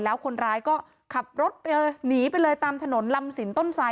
แล้วคนร้ายก็ขับรถหนีไปเลยตามถนนลำสินต้นไซค์อ่ะค่ะ